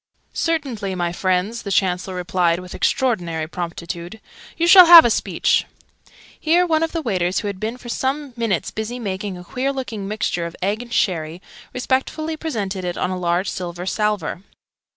"Certainly, my friends!" the Chancellor replied with extraordinary promptitude. "You shall have a speech!" Here one of the waiters, who had been for some minutes busy making a queer looking mixture of egg and sherry, respectfully presented it on a large silver salver.